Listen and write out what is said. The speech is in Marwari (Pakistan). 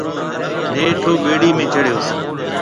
نيٺ او ٻيڙِي ۾ چڙھيَََو۔